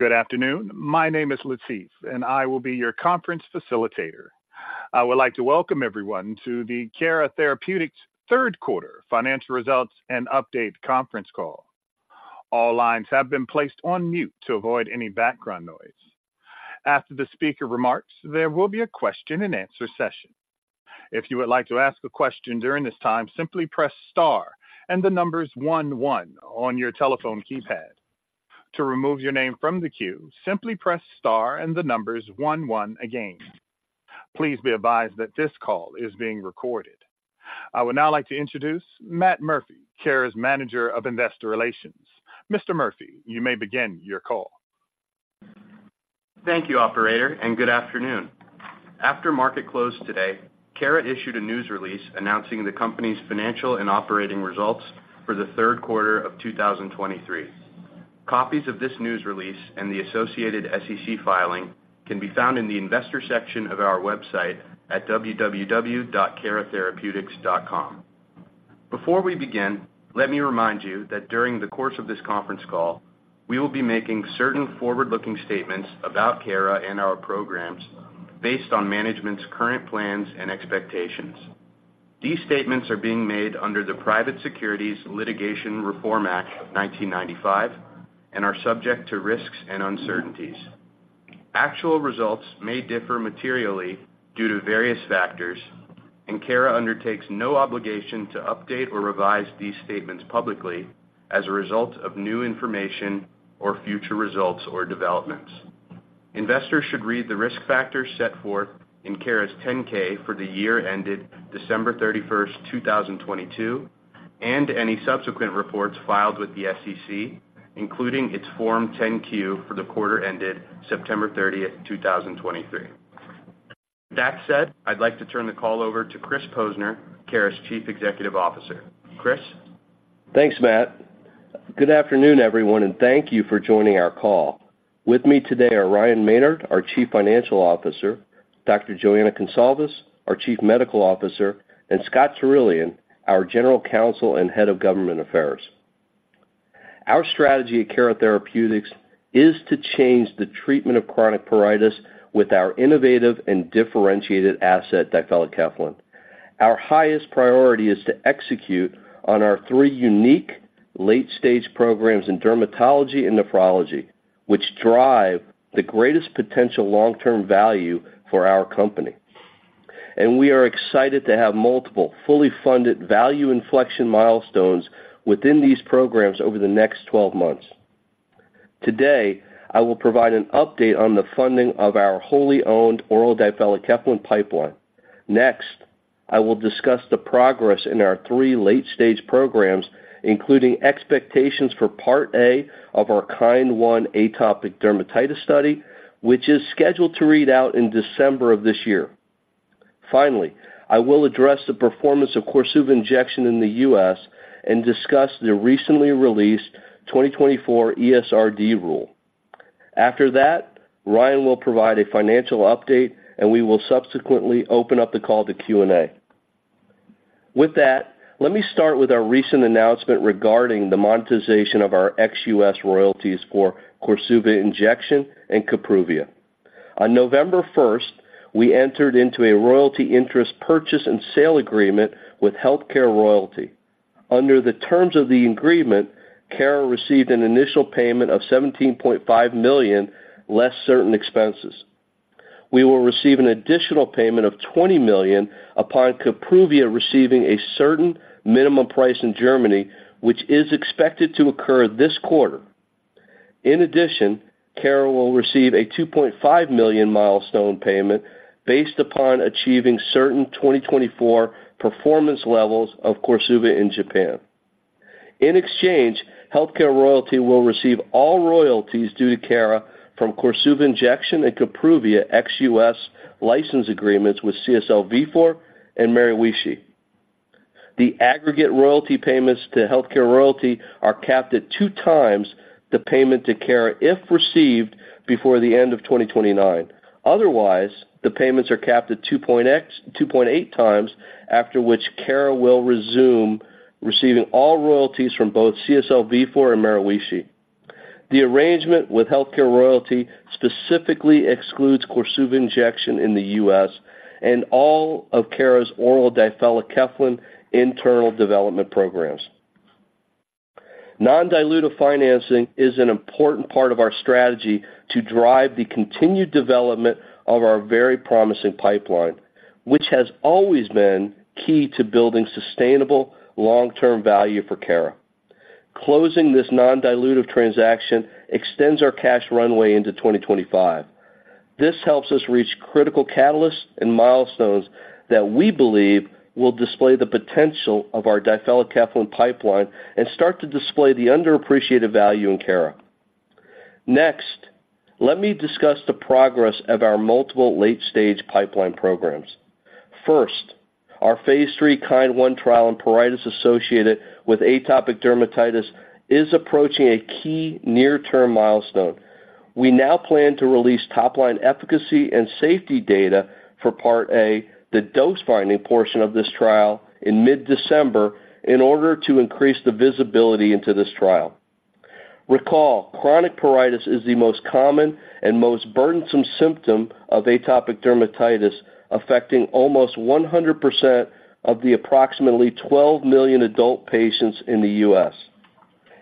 Good afternoon. My name is Latif, and I will be your conference facilitator. I would like to welcome everyone to the Tvardi Therapeutics third quarter financial results and update conference call. All lines have been placed on mute to avoid any background noise. After the speaker remarks, there will be a question-and-answer session. If you would like to ask a question during this time, simply press star and the numbers one, one on your telephone keypad. To remove your name from the queue, simply press star and the numbers one, one again. Please be advised that this call is being recorded. I would now like to introduce Matt Murphy, Tvardi's Manager of Investor Relations. Mr. Murphy, you may begin your call. Thank you, operator, and good afternoon. After market closed today, Cara issued a news release announcing the company's financial and operating results for the third quarter of 2023. Copies of this news release and the associated SEC filing can be found in the investor section of our website at www.caratherapeutics.com. Before we begin, let me remind you that during the course of this conference call, we will be making certain forward-looking statements about Cara and our programs based on management's current plans and expectations. These statements are being made under the Private Securities Litigation Reform Act of 1995 and are subject to risks and uncertainties. Actual results may differ materially due to various factors, and Cara undertakes no obligation to update or revise these statements publicly as a result of new information or future results or developments. Investors should read the risk factors set forth in Cara's 10-K for the year ended December 31, 2022, and any subsequent reports filed with the SEC, including its Form 10-Q for the quarter ended September 30, 2023. That said, I'd like to turn the call over to Chris Posner, Cara's Chief Executive Officer. Chris? Thanks, Matt. Good afternoon, everyone, and thank you for joining our call. With me today are Ryan Maynard, our Chief Financial Officer, Dr. Joana Gonçalves, our Chief Medical Officer, and Scott Cerullo, our General Counsel and Head of Government Affairs. Our strategy at Cara Therapeutics is to change the treatment of chronic pruritus with our innovative and differentiated asset, difelikefalin. Our highest priority is to execute on our three unique late-stage programs in dermatology and nephrology, which drive the greatest potential long-term value for our company. We are excited to have multiple fully funded value inflection milestones within these programs over the next 12 months. Today, I will provide an update on the funding of our wholly owned oral difelikefalin pipeline. Next, I will discuss the progress in our three late-stage programs, including expectations for Part A of our KIND-1 atopic dermatitis study, which is scheduled to read out in December of this year. Finally, I will address the performance of KORSUVA injection in the U.S. and discuss the recently released 2024 ESRD rule. After that, Ryan will provide a financial update, and we will subsequently open up the call to Q&A. With that, let me start with our recent announcement regarding the monetization of our ex-U.S. royalties for KORSUVA injection and KAPRUVIA. On November 1, we entered into a royalty interest purchase and sale agreement with HealthCare Royalty. Under the terms of the agreement, Cara received an initial payment of $17.5 million, less certain expenses. We will receive an additional payment of $20 million upon KAPRUVIA receiving a certain minimum price in Germany, which is expected to occur this quarter. In addition, Cara will receive a $2.5 million milestone payment based upon achieving certain 2024 performance levels of KORSUVA in Japan. In exchange, HealthCare Royalty will receive all royalties due to Cara from KORSUVA injection and KAPRUVIA ex-U.S. license agreements with CSL Vifor and Maruishi. The aggregate royalty payments to HealthCare Royalty are capped at 2x the payment to Cara if received before the end of 2029. Otherwise, the payments are capped at 2.8x, after which Cara will resume receiving all royalties from both CSL Vifor and Maruishi. The arrangement with HealthCare Royalty specifically excludes KORSUVA injection in the U.S. and all of Cara's oral difelikefalin internal development programs. Non-dilutive financing is an important part of our strategy to drive the continued development of our very promising pipeline, which has always been key to building sustainable long-term value for Cara. Closing this non-dilutive transaction extends our cash runway into 2025. This helps us reach critical catalysts and milestones that we believe will display the potential of our difelikefalin pipeline and start to display the underappreciated value in Cara. Next, let me discuss the progress of our multiple late-stage pipeline programs. First, our phase 3 KIND-1 trial in pruritus associated with atopic dermatitis is approaching a key near-term milestone. We now plan to release top-line efficacy and safety data for Part A, the dose-finding portion of this trial, in mid-December in order to increase the visibility into this trial.... Recall, chronic pruritus is the most common and most burdensome symptom of atopic dermatitis, affecting almost 100% of the approximately 12 million adult patients in the U.S.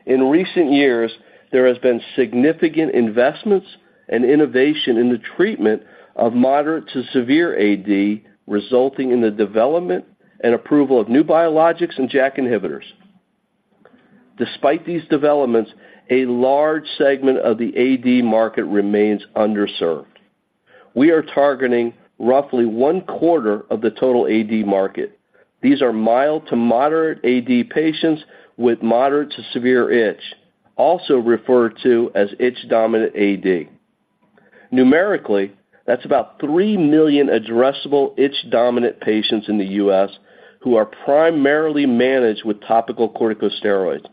In recent years, there has been significant investments and innovation in the treatment of moderate to severe AD, resulting in the development and approval of new biologics and JAK inhibitors. Despite these developments, a large segment of the AD market remains underserved. We are targeting roughly one quarter of the total AD market. These are mild to moderate AD patients with moderate to severe itch, also referred to as itch-dominant AD. Numerically, that's about 3 million addressable itch-dominant patients in the U.S. who are primarily managed with topical corticosteroids.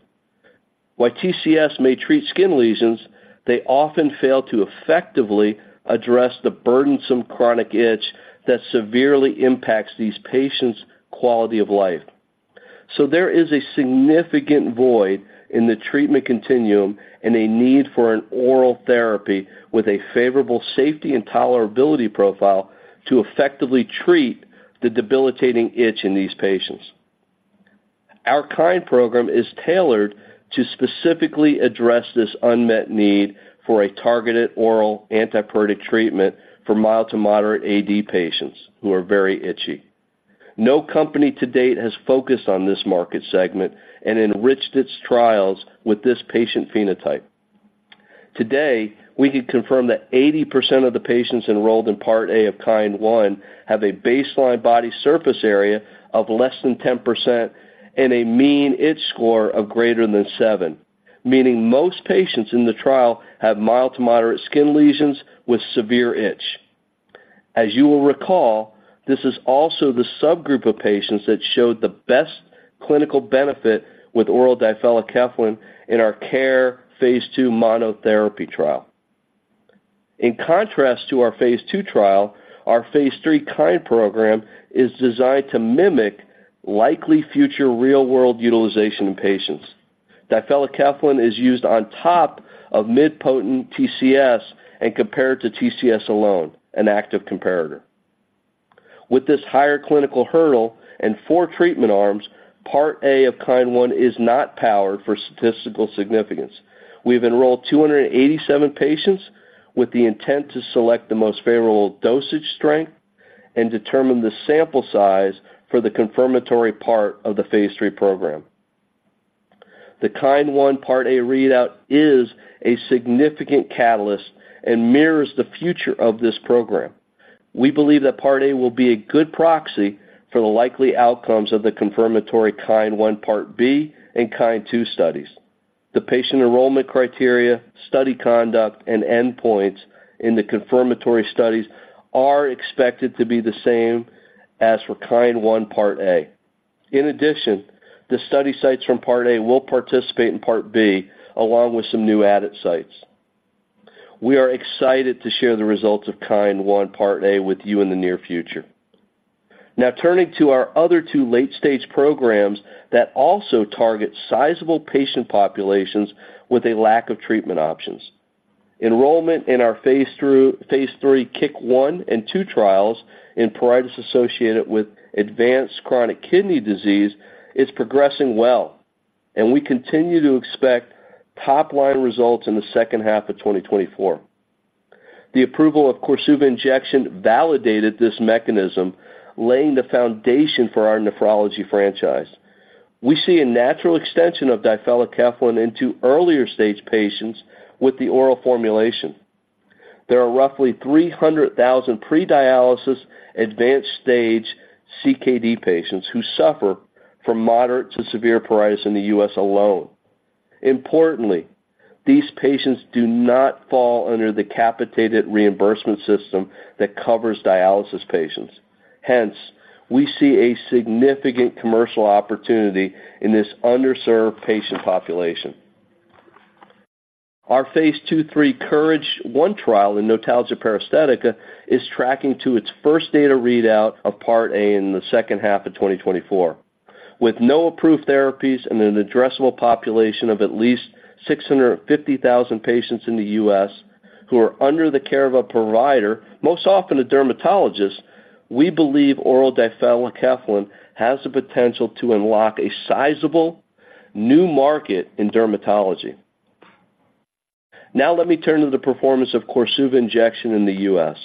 While TCS may treat skin lesions, they often fail to effectively address the burdensome chronic itch that severely impacts these patients' quality of life. So there is a significant void in the treatment continuum and a need for an oral therapy with a favorable safety and tolerability profile to effectively treat the debilitating itch in these patients. Our KIND program is tailored to specifically address this unmet need for a targeted oral antipruritic treatment for mild to moderate AD patients who are very itchy. No company to date has focused on this market segment and enriched its trials with this patient phenotype. Today, we can confirm that 80% of the patients enrolled in Part A of KIND-1 have a baseline body surface area of less than 10% and a mean itch score of greater than seven, meaning most patients in the trial have mild to moderate skin lesions with severe itch. As you will recall, this is also the subgroup of patients that showed the best clinical benefit with oral difelikefalin in our Cara phase II monotherapy trial. In contrast to our phase II trial, our phase III KIND program is designed to mimic likely future real-world utilization in patients. Difelikefalin is used on top of mid-potent TCS and compared to TCS alone, an active comparator. With this higher clinical hurdle and four treatment arms, Part A of KIND 1 is not powered for statistical significance. We have enrolled 287 patients with the intent to select the most favorable dosage strength and determine the sample size for the confirmatory part of the phase III program. The KIND 1 Part A readout is a significant catalyst and mirrors the future of this program. We believe that Part A will be a good proxy for the likely outcomes of the confirmatory KIND-1 Part B and KIND-2 studies. The patient enrollment criteria, study conduct, and endpoints in the confirmatory studies are expected to be the same as for KIND-1 Part A. In addition, the study sites from Part A will participate in Part B, along with some new added sites. We are excited to share the results of KIND-1 Part A with you in the near future. Now, turning to our other two late-stage programs that also target sizable patient populations with a lack of treatment options. Enrollment in our Phase 3 KIK-1 and KIK-2 trials in pruritus associated with advanced chronic kidney disease is progressing well, and we continue to expect top-line results in the second half of 2024. The approval of KORSUVA injection validated this mechanism, laying the foundation for our nephrology franchise. We see a natural extension of difelikefalin into earlier-stage patients with the oral formulation. There are roughly 300,000 pre-dialysis, advanced-stage CKD patients who suffer from moderate to severe pruritus in the U.S. alone. Importantly, these patients do not fall under the capitated reimbursement system that covers dialysis patients. Hence, we see a significant commercial opportunity in this underserved patient population. Our phase 2, 3 KOURAGE-1 trial in notalgia paresthetica is tracking to its first data readout of Part A in the second half of 2024. With no approved therapies and an addressable population of at least 650,000 patients in the U.S. who are under the care of a provider, most often a dermatologist, we believe oral difelikefalin has the potential to unlock a sizable new market in dermatology. Now let me turn to the performance of KORSUVA injection in the U.S.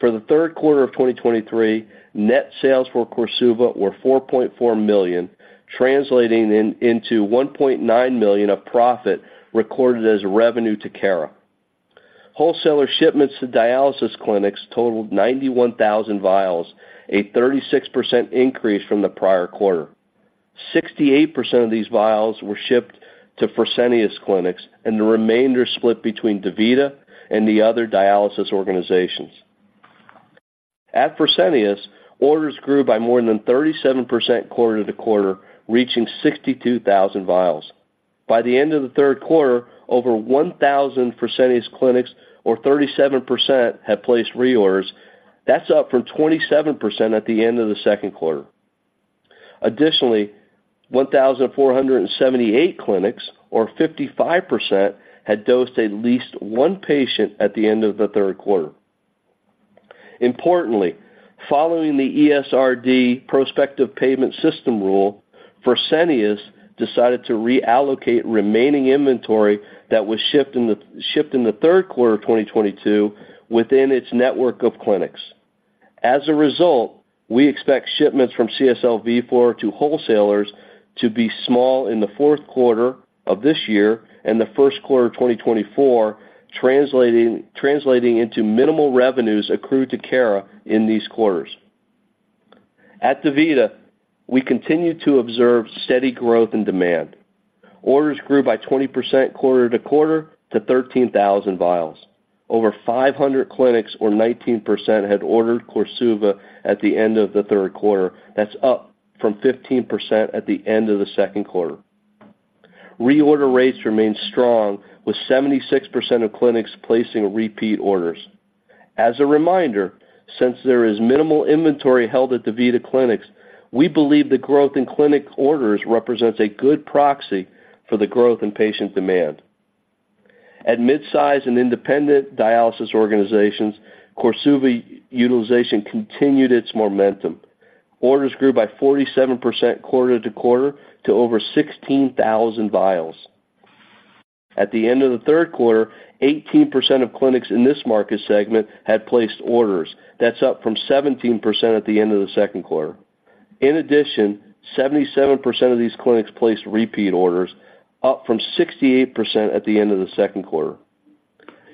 For the third quarter of 2023, net sales for KORSUVA were $4.4 million, translating into $1.9 million of profit recorded as revenue to Cara. Wholesaler shipments to dialysis clinics totaled 91,000 vials, a 36% increase from the prior quarter. 68% of these vials were shipped to Fresenius clinics, and the remainder split between DaVita and the other dialysis organizations. At Fresenius, orders grew by more than 37% quarter to quarter, reaching 62,000 vials. By the end of the third quarter, over 1,000 Fresenius clinics, or 37%, have placed reorders. That's up from 27% at the end of the second quarter. Additionally, 1,478 clinics, or 55%, had dosed at least one patient at the end of the third quarter. Importantly, following the ESRD Prospective Payment System rule, Fresenius decided to reallocate remaining inventory that was shipped in the third quarter of 2022 within its network of clinics. As a result, we expect shipments from CSL Vifor to wholesalers to be small in the fourth quarter of this year and the first quarter of 2024, translating into minimal revenues accrued to Cara in these quarters. At DaVita, we continue to observe steady growth and demand. Orders grew by 20% quarter to quarter to 13,000 vials. Over 500 clinics, or 19%, had ordered KORSUVA at the end of the third quarter. That's up from 15% at the end of the second quarter. Reorder rates remained strong, with 76% of clinics placing repeat orders. As a reminder, since there is minimal inventory held at DaVita Clinics, we believe the growth in clinic orders represents a good proxy for the growth in patient demand. At midsize and independent dialysis organizations, KORSUVA utilization continued its momentum. Orders grew by 47% quarter to quarter to over 16,000 vials. At the end of the third quarter, 18% of clinics in this market segment had placed orders. That's up from 17% at the end of the second quarter. In addition, 77% of these clinics placed repeat orders, up from 68% at the end of the second quarter.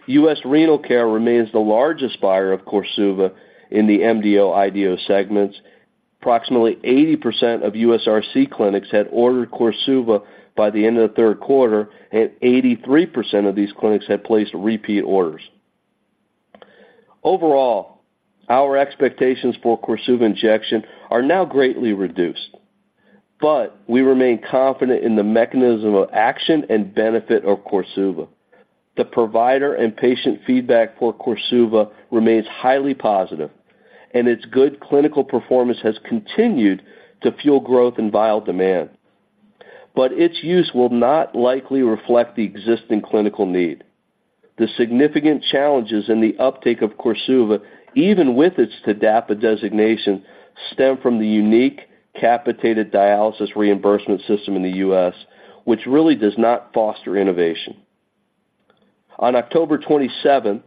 U.S. Renal Care remains the largest buyer of KORSUVA in the MDO/IDO segments. Approximately 80% of USRC clinics had ordered KORSUVA by the end of the third quarter, and 83% of these clinics had placed repeat orders. Overall, our expectations for KORSUVA injection are now greatly reduced, but we remain confident in the mechanism of action and benefit of KORSUVA. The provider and patient feedback for KORSUVA remains highly positive, and its good clinical performance has continued to fuel growth in vial demand, but its use will not likely reflect the existing clinical need. The significant challenges in the uptake of KORSUVA, even with its TDAPA designation, stem from the unique capitated dialysis reimbursement system in the U.S., which really does not foster innovation. On October 27,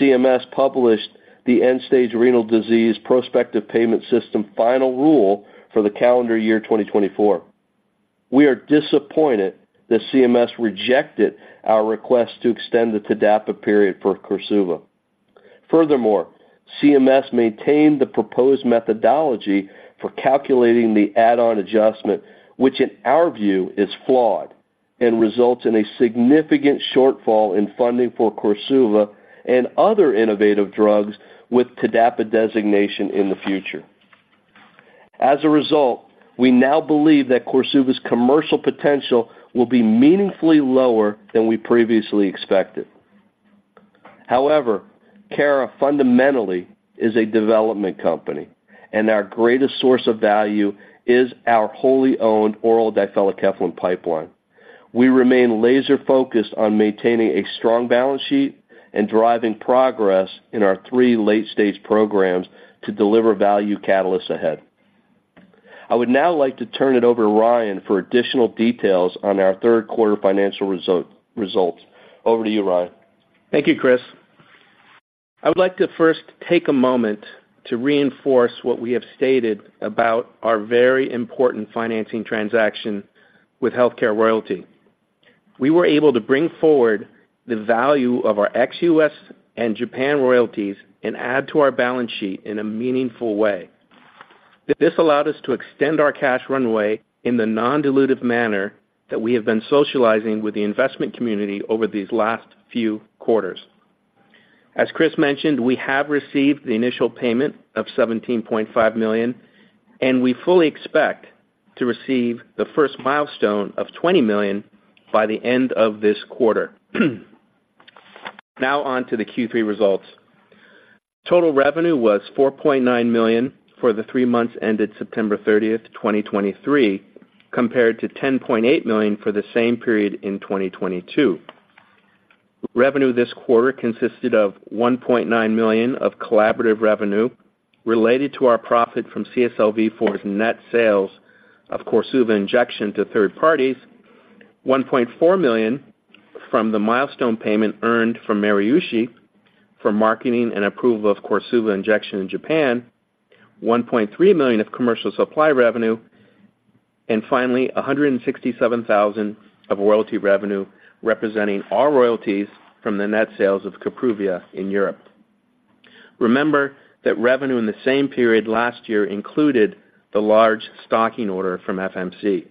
CMS published the End-Stage Renal Disease Prospective Payment System final rule for the calendar year 2024. We are disappointed that CMS rejected our request to extend the TDAPA period for KORSUVA. Furthermore, CMS maintained the proposed methodology for calculating the add-on adjustment, which in our view is flawed and results in a significant shortfall in funding for KORSUVA and other innovative drugs with TDAPA designation in the future. As a result, we now believe that KORSUVA's commercial potential will be meaningfully lower than we previously expected. However, Cara fundamentally is a development company, and our greatest source of value is our wholly owned oral difelikefalin pipeline. We remain laser-focused on maintaining a strong balance sheet and driving progress in our three late-stage programs to deliver value catalysts ahead. I would now like to turn it over to Ryan for additional details on our third quarter financial results. Over to you, Ryan. Thank you, Chris. I would like to first take a moment to reinforce what we have stated about our very important financing transaction with HealthCare Royalty. We were able to bring forward the value of our ex-US and Japan royalties and add to our balance sheet in a meaningful way. This allowed us to extend our cash runway in the non-dilutive manner that we have been socializing with the investment community over these last few quarters. As Chris mentioned, we have received the initial payment of $17.5 million, and we fully expect to receive the first milestone of $20 million by the end of this quarter. Now on to the Q3 results. Total revenue was $4.9 million for the three months ended September 30, 2023, compared to $10.8 million for the same period in 2022. Revenue this quarter consisted of $1.9 million of collaborative revenue related to our profit from CSL Vifor's net sales of KORSUVA injection to third parties, $1.4 million from the milestone payment earned from Daiichi for marketing and approval of KORSUVA injection in Japan, $1.3 million of commercial supply revenue, and finally, $167 thousand of royalty revenue, representing our royalties from the net sales of KAPRUVIA in Europe. Remember that revenue in the same period last year included the large stocking order from FMC.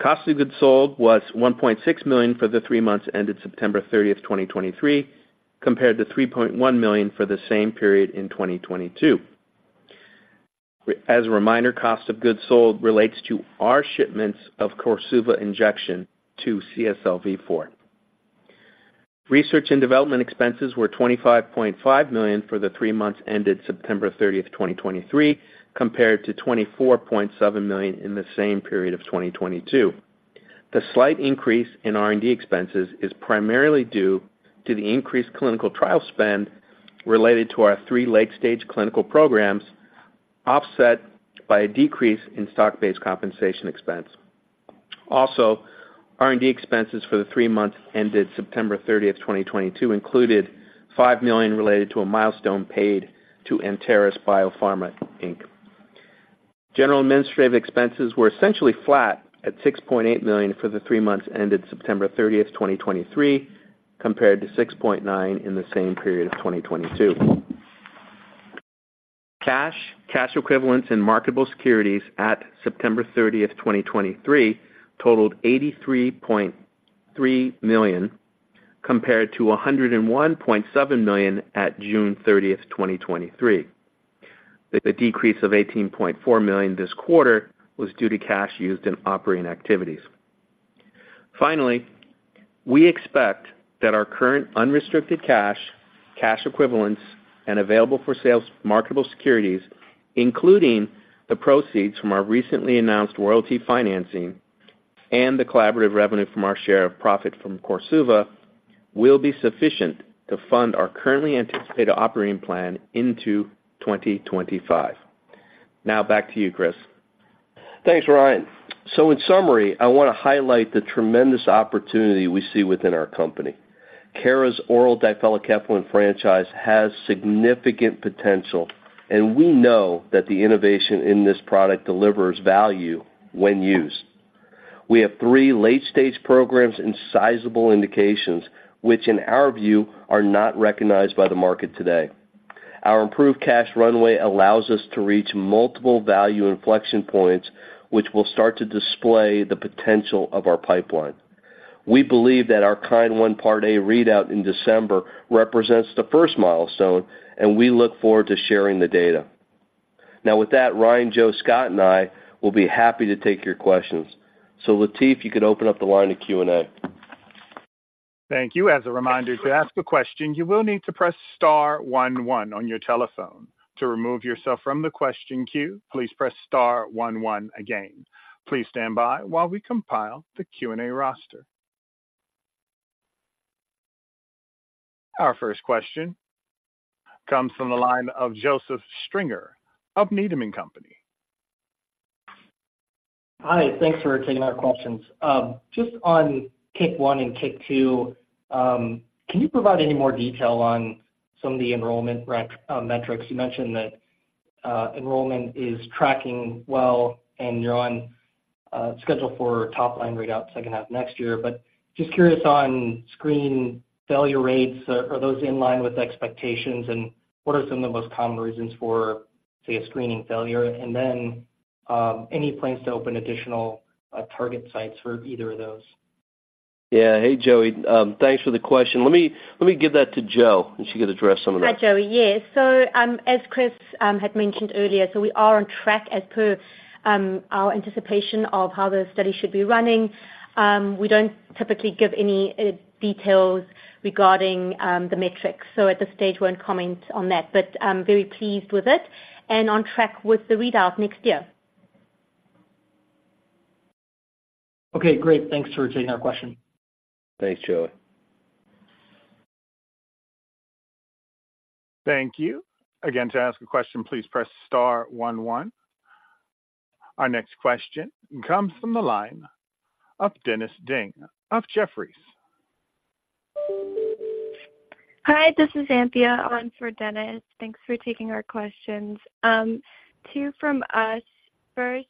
Cost of goods sold was $1.6 million for the three months ended September 30, 2023, compared to $3.1 million for the same period in 2022. As a reminder, cost of goods sold relates to our shipments of KORSUVA injection to CSL Vifor... Research and development expenses were $25.5 million for the three months ended September 30, 2023, compared to $24.7 million in the same period of 2022. The slight increase in R&D expenses is primarily due to the increased clinical trial spend related to our three late-stage clinical programs, offset by a decrease in stock-based compensation expense. Also, R&D expenses for the three months ended September 30, 2022, included $5 million related to a milestone paid to Anteris BioPharma Inc. General administrative expenses were essentially flat at $6.8 million for the three months ended September 30, 2023, compared to $6.9 million in the same period of 2022. Cash, cash equivalents, and marketable securities at September 30, 2023, totaled $83.3 million, compared to $101.7 million at June 30, 2023. The decrease of $18.4 million this quarter was due to cash used in operating activities. Finally, we expect that our current unrestricted cash, cash equivalents, and available-for-sale marketable securities, including the proceeds from our recently announced royalty financing and the collaborative revenue from our share of profit from KORSUVA, will be sufficient to fund our currently anticipated operating plan into 2025. Now back to you, Chris. Thanks, Ryan. So in summary, I want to highlight the tremendous opportunity we see within our company. Cara's oral difelikefalin franchise has significant potential, and we know that the innovation in this product delivers value when used. We have three late-stage programs in sizable indications, which in our view, are not recognized by the market today. Our improved cash runway allows us to reach multiple value inflection points, which will start to display the potential of our pipeline. We believe that our KIND-1 Part A readout in December represents the first milestone, and we look forward to sharing the data. Now, with that, Ryan, Jo, Scott, and I will be happy to take your questions. So Latif, you could open up the line to Q&A. Thank you. As a reminder, to ask a question, you will need to press star one one on your telephone. To remove yourself from the question queue, please press star one one again. Please stand by while we compile the Q&A roster. Our first question comes from the line of Joseph Stringer of Needham & Company. Hi, thanks for taking our questions. Just on KIK-1 and KIK-2, can you provide any more detail on some of the enrollment rec, metrics? You mentioned that enrollment is tracking well and you're on schedule for top line readout second half of next year. But just curious on screen failure rates, are those in line with expectations? And what are some of the most common reasons for, say, a screening failure? And then, any plans to open additional target sites for either of those? Yeah. Hey, Joey, thanks for the question. Let me give that to Jo, and she could address some of that. Hi, Joey. Yes. So, as Chris had mentioned earlier, so we are on track as per our anticipation of how the study should be running. We don't typically give any details regarding the metrics, so at this stage, won't comment on that, but very pleased with it and on track with the readout next year. Okay, great. Thanks for taking our question. Thanks, Joey. Thank you. Again, to ask a question, please press star one one. Our next question comes from the line of Dennis Ding of Jefferies. Hi, this is Anthea on for Dennis. Thanks for taking our questions. Two from us. First,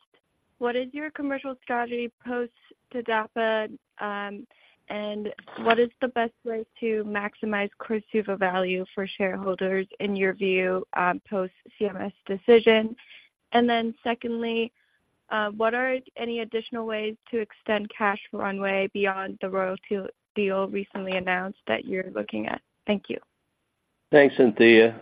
what is your commercial strategy post-TDAPA, and what is the best way to maximize KORSUVA value for shareholders in your view, post-CMS decision? And then secondly, what are any additional ways to extend cash runway beyond the royalty deal recently announced that you're looking at? Thank you. Thanks, Anthea.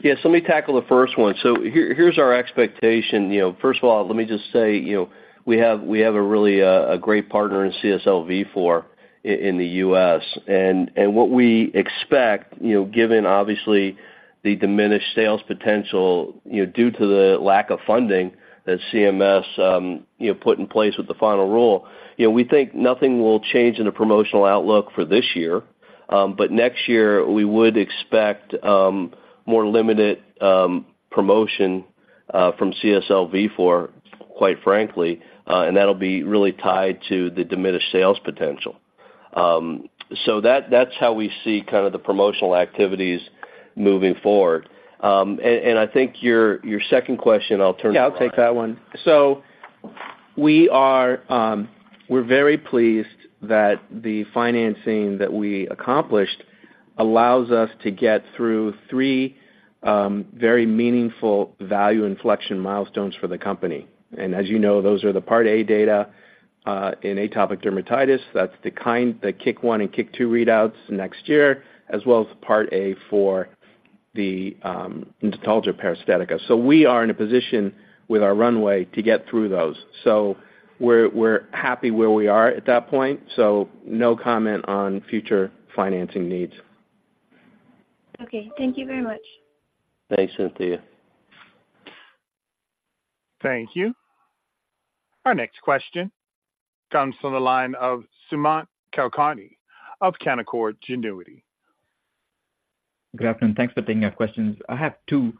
Yes, let me tackle the first one. So here, here's our expectation. You know, first of all, let me just say, you know, we have, we have a really, a great partner in CSL Vifor in the US. And, and what we expect, you know, given obviously the diminished sales potential, you know, due to the lack of funding that CMS, you know, put in place with the final rule, you know, we think nothing will change in the promotional outlook for this year. But next year, we would expect, more limited, promotion, from CSL Vifor, quite frankly, and that'll be really tied to the diminished sales potential. So that's how we see kind of the promotional activities moving forward. And, and I think your, your second question, I'll turn to Ryan. Yeah, I'll take that one. So we are, we're very pleased that the financing that we accomplished allows us to get through three very meaningful value inflection milestones for the company. And as you know, those are the Part A data in atopic dermatitis. That's the KIND-1, the KIK-1 and KIK-2 readouts next year, as well as Part A for the notalgia paresthetica. So we are in a position with our runway to get through those. So we're happy where we are at that point, so no comment on future financing needs. Okay. Thank you very much. Thanks, Anthea. Thank you. Our next question comes from the line of Sumant Kulkarni of Canaccord Genuity. Good afternoon. Thanks for taking our questions. I have two.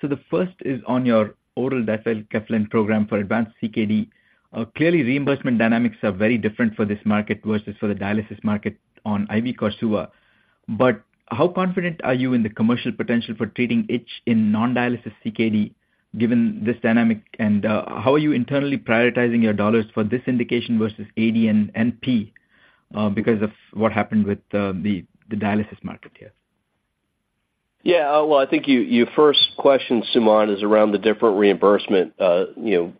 So the first is on your oral difelikefalin program for advanced CKD. Clearly, reimbursement dynamics are very different for this market versus for the dialysis market on IV KORSUVA. But how confident are you in the commercial potential for treating itch in non-dialysis CKD, given this dynamic? And, how are you internally prioritizing your dollars for this indication versus AD and NP, because of what happened with the dialysis market here? Yeah, well, I think you, your first question, Sumant, is around the different reimbursement ecosystems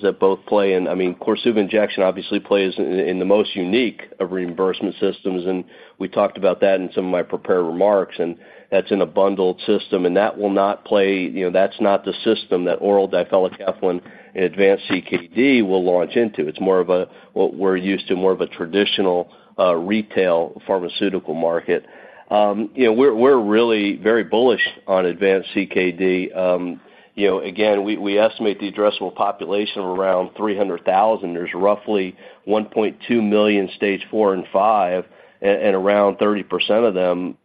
that both play in. I mean, KORSUVA injection obviously plays in the most unique of reimbursement systems, and we talked about that in some of my prepared remarks, and that's in a bundled system, and that will not play. You know, that's not the system that oral difelikefalin in advanced CKD will launch into. It's more of a, what we're used to, more of a traditional retail pharmaceutical market. You know, we're really very bullish on advanced CKD. You know, again, we estimate the addressable population of around 300,000. There's roughly 1.2 million stage 4 and 5, and around 30% of them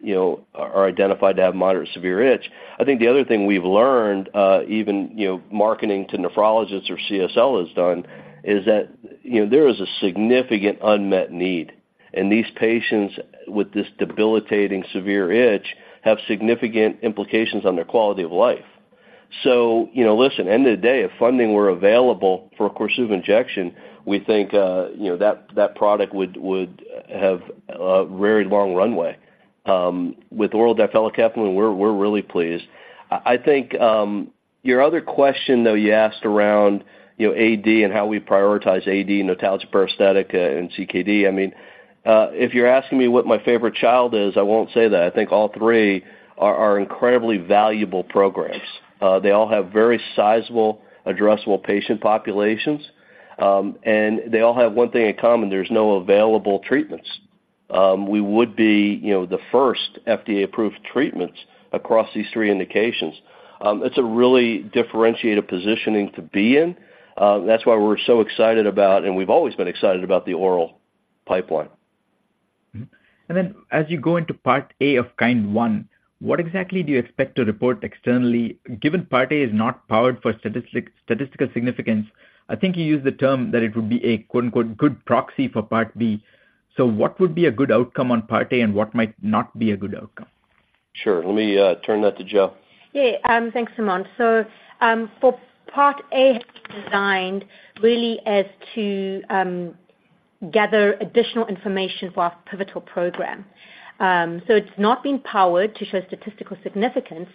are identified to have moderate severe itch. I think the other thing we've learned, even, you know, marketing to nephrologists or CSL has done, is that, you know, there is a significant unmet need, and these patients with this debilitating severe itch have significant implications on their quality of life. So, you know, listen, end of the day, if funding were available for a Korsuva injection, we think, you know, that, that product would, would have a very long runway. With oral difelikefalin, we're, we're really pleased. I think, your other question, though, you asked around, you know, AD and how we prioritize AD, notalgia paresthetica and CKD. I mean, if you're asking me what my favorite child is, I won't say that. I think all three are, are incredibly valuable programs. They all have very sizable addressable patient populations, and they all have one thing in common: there's no available treatments. We would be, you know, the first FDA-approved treatments across these three indications. It's a really differentiated positioning to be in. That's why we're so excited about, and we've always been excited about the oral pipeline. And then as you go into part A of KIND-1, what exactly do you expect to report externally? Given part A is not powered for statistical significance, I think you used the term that it would be a, quote, unquote, "good proxy for part B." So what would be a good outcome on part A, and what might not be a good outcome? Sure. Let me turn that to Jo. Yeah. Thanks, Sumant. So, for part A, designed really as to gather additional information for our pivotal program. So it's not been powered to show statistical significance,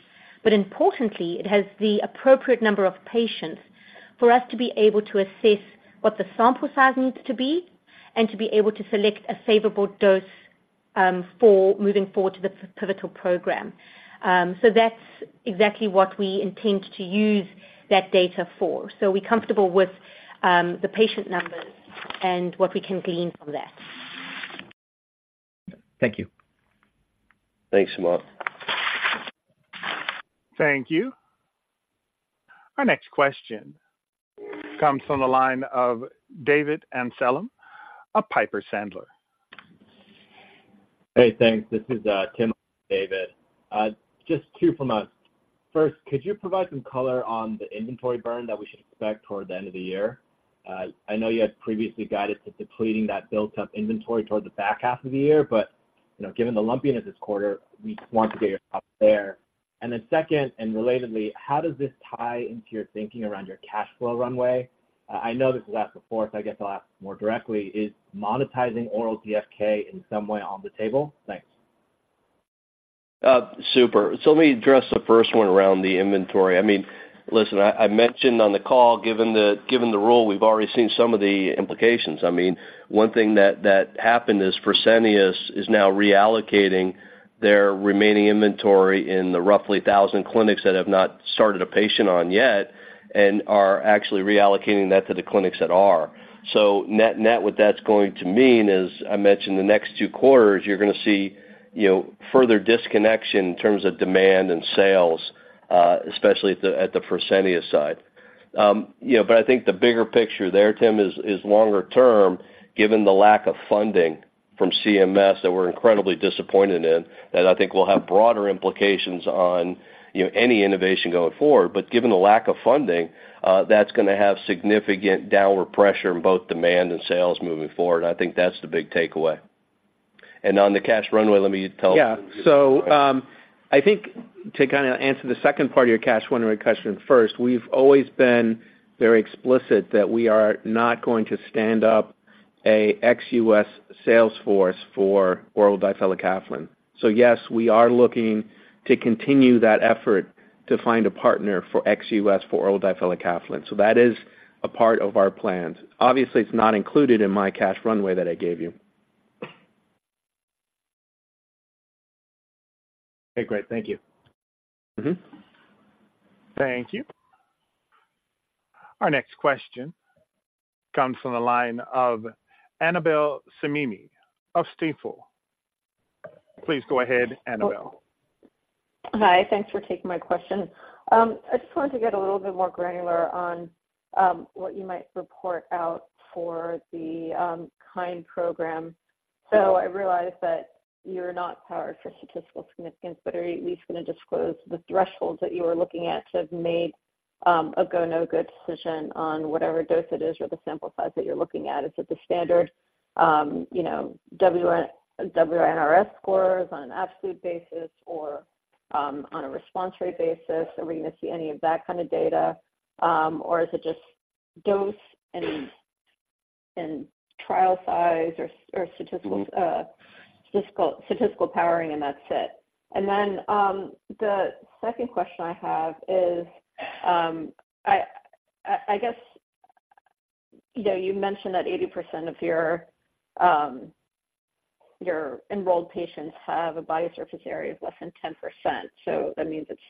but importantly, it has the appropriate number of patients for us to be able to assess what the sample size needs to be and to be able to select a favorable dose for moving forward to the pivotal program. So that's exactly what we intend to use that data for. So we're comfortable with the patient numbers and what we can glean from that. Thank you. Thanks, Sumant. Thank you. Our next question comes from the line of David Anselm, of Piper Sandler. Hey, thanks. This is Tim, David. Just two from us. First, could you provide some color on the inventory burn that we should expect toward the end of the year? I know you had previously guided to depleting that built-up inventory toward the back half of the year, but, you know, given the lumpiness this quarter, we just want to get you up there. And then second, and relatedly, how does this tie into your thinking around your cash flow runway? I know this was asked before, so I guess I'll ask more directly: Is monetizing oral DFK in some way on the table? Thanks. Super. Let me address the first one around the inventory. I mean, listen, I mentioned on the call, given the role, we've already seen some of the implications. I mean, one thing that happened is Fresenius is now reallocating their remaining inventory in the roughly 1,000 clinics that have not started a patient on yet and are actually reallocating that to the clinics that are. So net-net, what that's going to mean is, I mentioned the next two quarters, you're going to see, you know, further disconnection in terms of demand and sales, especially at the Fresenius side. You know, but I think the bigger picture there, Tim, is longer term, given the lack of funding from CMS that we're incredibly disappointed in, that I think will have broader implications on, you know, any innovation going forward. But given the lack of funding, that's going to have significant downward pressure in both demand and sales moving forward. I think that's the big takeaway. And on the cash runway, so I think to kinda answer the second part of your cash runway question first, we've always been very explicit that we are not going to stand up a ex-US sales force for oral difelikefalin. So yes, we are looking to continue that effort... to find a partner for ex-US for oral difelikefalin. So that is a part of our plans. Obviously, it's not included in my cash runway that I gave you. Okay, great. Thank you. Mm-hmm. Thank you. Our next question comes from the line of Annabel Samimi of Stifel. Please go ahead, Annabel. Hi, thanks for taking my question. I just wanted to get a little bit more granular on what you might report out for the KIND program. So I realize that you're not powered for statistical significance, but are you at least going to disclose the thresholds that you are looking at to have made a go, no-go decision on whatever dose it is or the sample size that you're looking at? Is it the standard, you know, WI-NRS scores on an absolute basis or on a response rate basis? Are we going to see any of that kind of data, or is it just dose and trial size or statistical powering, and that's it? Then, the second question I have is, I guess, you know, you mentioned that 80% of your enrolled patients have a body surface area of less than 10%, so that means it's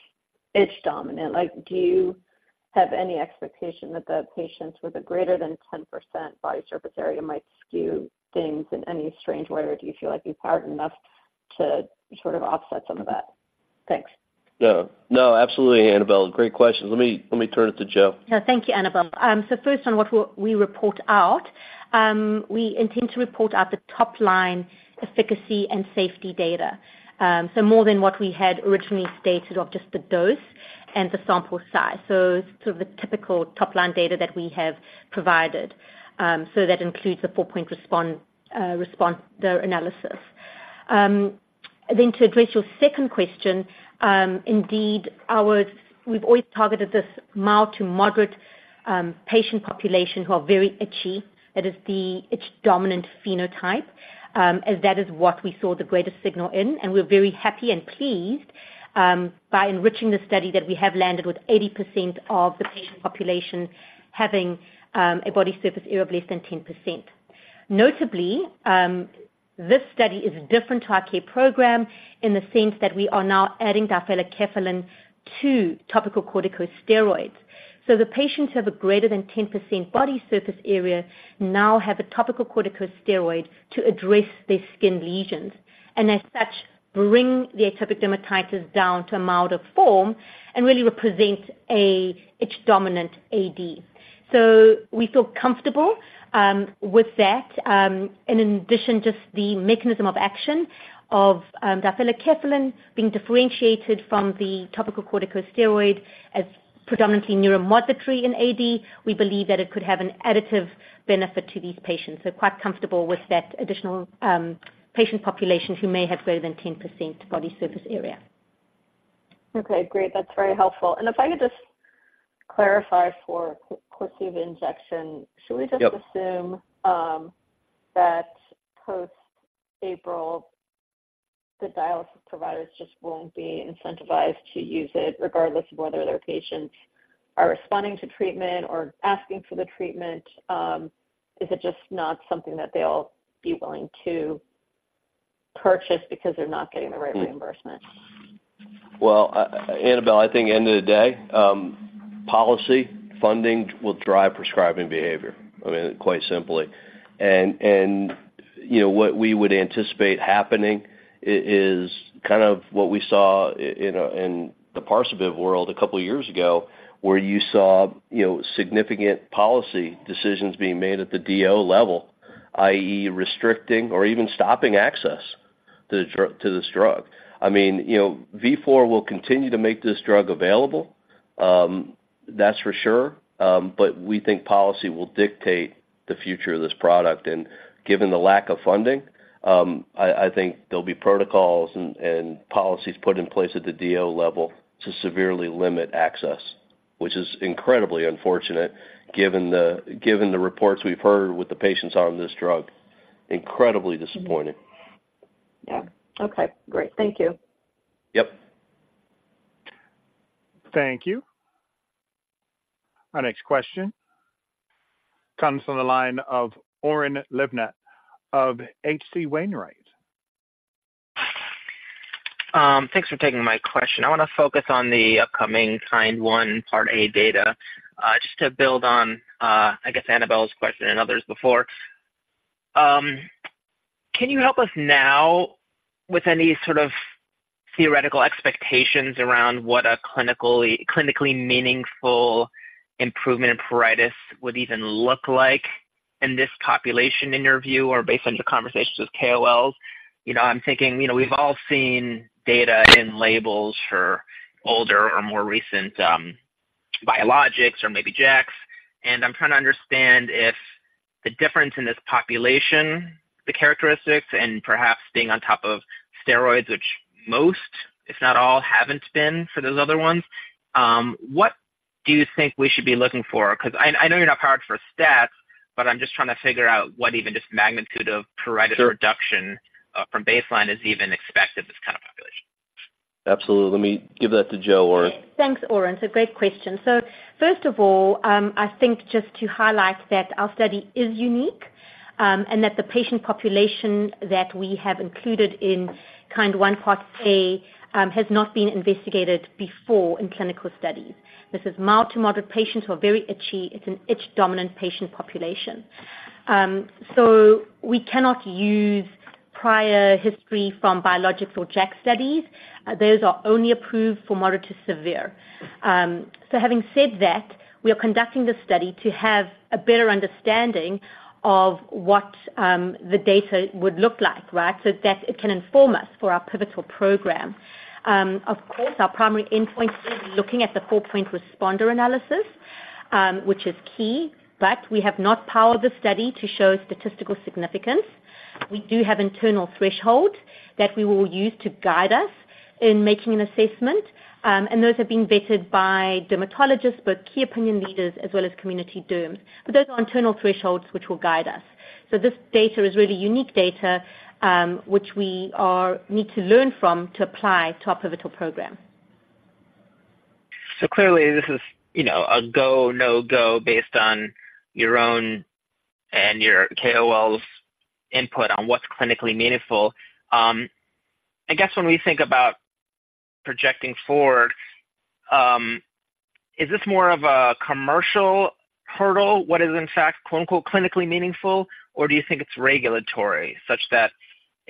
itch dominant. Like, do you have any expectation that the patients with a greater than 10% body surface area might skew things in any strange way, or do you feel like you've powered enough to sort of offset some of that? Thanks. No. No, absolutely, Annabel. Great question. Let me, let me turn it to Jo. No, thank you, Annabel. So first on what we report out, we intend to report out the top-line efficacy and safety data. So more than what we had originally stated of just the dose and the sample size. So sort of a typical top-line data that we have provided. So that includes the four-point response analysis. Then to address your second question, indeed, we've always targeted this mild to moderate patient population who are very itchy. That is the itch-dominant phenotype, as that is what we saw the greatest signal in, and we're very happy and pleased by enriching the study that we have landed with 80% of the patient population having a body surface area of less than 10%. Notably, this study is different to our care program in the sense that we are now adding difelikefalin to topical corticosteroids. So the patients who have a greater than 10% body surface area now have a topical corticosteroid to address their skin lesions, and as such, bring the atopic dermatitis down to a milder form and really represent an itch-dominant AD. So we feel comfortable with that. And in addition, just the mechanism of action of difelikefalin being differentiated from the topical corticosteroid as predominantly neuromodulatory in AD, we believe that it could have an additive benefit to these patients. So quite comfortable with that additional patient population who may have greater than 10% body surface area. Okay, great. That's very helpful. And if I could just clarify for Korsuva injection. Yep. Should we just assume that post-April, the dialysis providers just won't be incentivized to use it, regardless of whether their patients are responding to treatment or asking for the treatment? Is it just not something that they'll be willing to purchase because they're not getting the right reimbursement? Well, Annabel, I think end of the day, policy, funding will drive prescribing behavior, I mean, quite simply. And you know, what we would anticipate happening is kind of what we saw in the Parsabiv world a couple of years ago, where you saw, you know, significant policy decisions being made at the DO level, i.e., restricting or even stopping access to the drug, to this drug. I mean, you know, Vifor will continue to make this drug available, that's for sure. But we think policy will dictate the future of this product. And given the lack of funding, I think there'll be protocols and policies put in place at the DO level to severely limit access, which is incredibly unfortunate given the reports we've heard with the patients on this drug. Incredibly disappointing. Yeah. Okay, great. Thank you. Yep. Thank you. Our next question comes from the line of Oren Livnat of H.C. Wainwright. Thanks for taking my question. I want to focus on the upcoming KIND-1 Part A data, just to build on, I guess Annabel's question and others before. Can you help us now with any sort of theoretical expectations around what a clinically meaningful improvement in pruritus would even look like in this population, in your view, or based on your conversations with KOLs? You know, I'm thinking, you know, we've all seen data in labels for older or more recent, biologics or maybe JAKs, and I'm trying to understand if the difference in this population, the characteristics, and perhaps being on top of steroids, which most, if not all, haven't been for those other ones. What do you think we should be looking for? Because I know you're not powered for stats, but I'm just trying to figure out what even just magnitude of pruritus reduction from baseline is even expected this kind of population. Absolutely. Let me give that to Jo, Oren. Thanks, Oren. It's a great question. First of all, I think just to highlight that our study is unique, and that the patient population that we have included in KIND-1 Part A has not been investigated before in clinical studies. This is mild to moderate patients who are very itchy. It's an itch-dominant patient population. We cannot use prior history from biological JAK studies. Those are only approved for moderate to severe. Having said that, we are conducting this study to have a better understanding of what the data would look like, right? So that it can inform us for our pivotal program. Of course, our primary endpoint is looking at the 4-point responder analysis, which is key, but we have not powered the study to show statistical significance. We do have internal thresholds that we will use to guide us in making an assessment, and those have been vetted by dermatologists, but key opinion leaders as well as community derms. But those are internal thresholds, which will guide us. So this data is really unique data, which we need to learn from to apply to our pivotal program. So clearly, this is, you know, a go, no-go based on your own and your KOL's input on what's clinically meaningful. I guess when we think about projecting forward, is this more of a commercial hurdle, what is in fact, quote, unquote, "clinically meaningful," or do you think it's regulatory, such that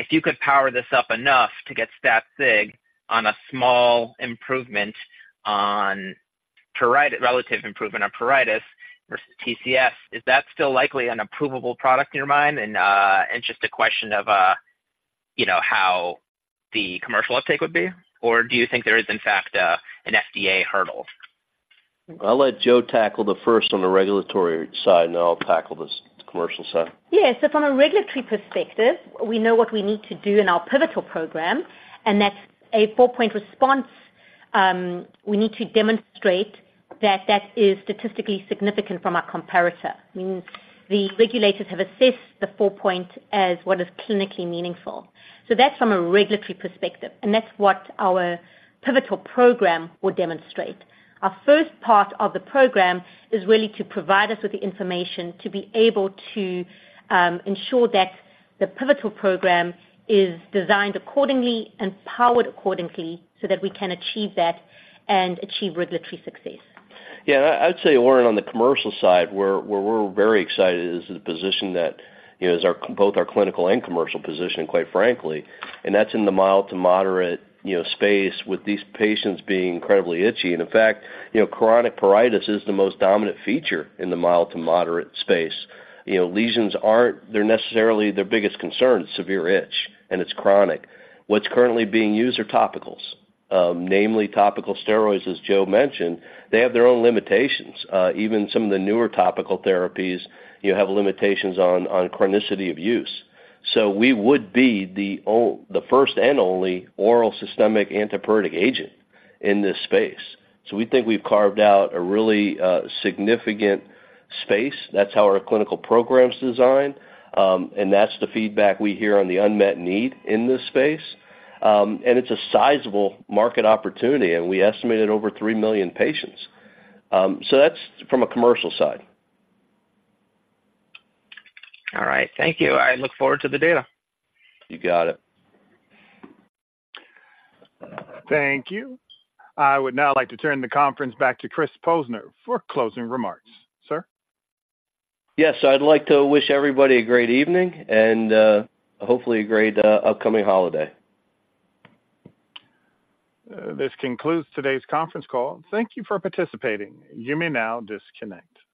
if you could power this up enough to get stat sig on a small improvement on pruritus, relative improvement on pruritus versus TCF, is that still likely an approvable product in your mind, and just a question of, you know, how the commercial uptake would be? Or do you think there is, in fact, an FDA hurdle? I'll let Jo tackle the first on the regulatory side, and then I'll tackle this commercial side. Yeah. So from a regulatory perspective, we know what we need to do in our pivotal program, and that's a four-point response. We need to demonstrate that that is statistically significant from our comparator. The regulators have assessed the four-point as what is clinically meaningful. So that's from a regulatory perspective, and that's what our pivotal program will demonstrate. Our first part of the program is really to provide us with the information to be able to ensure that the pivotal program is designed accordingly and powered accordingly so that we can achieve that and achieve regulatory success. Yeah, I'd say, Oren, on the commercial side, where we're very excited is the position that, you know, is our both our clinical and commercial position, quite frankly, and that's in the mild to moderate, you know, space with these patients being incredibly itchy. And in fact, you know, chronic pruritus is the most dominant feature in the mild to moderate space. You know, lesions aren't... They're necessarily their biggest concern, is severe itch, and it's chronic. What's currently being used are topicals, namely topical steroids, as Jo mentioned. They have their own limitations. Even some of the newer topical therapies, you have limitations on chronicity of use. So we would be the first and only oral systemic antipruritic agent in this space. So we think we've carved out a really, significant space. That's how our clinical program's designed, and that's the feedback we hear on the unmet need in this space. And it's a sizable market opportunity, and we estimated over 3 million patients. So that's from a commercial side. All right. Thank you. I look forward to the data. You got it. Thank you. I would now like to turn the conference back to Chris Posner for closing remarks. Sir? Yes, I'd like to wish everybody a great evening and, hopefully, a great upcoming holiday. This concludes today's conference call. Thank you for participating. You may now disconnect.